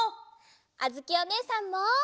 あづきおねえさんも。